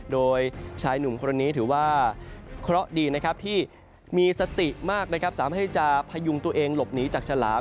โดยชายหนุ่มคนนี้ถือว่าเคราะห์ดีนะครับที่มีสติมากนะครับสามารถให้จะพยุงตัวเองหลบหนีจากฉลาม